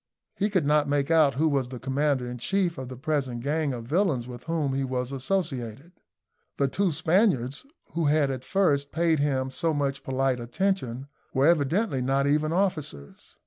He could not make out who was commander in chief of the present gang of villains with whom he was associated. The two Spaniards, who had at first paid him so much polite attention, were evidently not even officers.